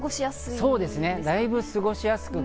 そうですね。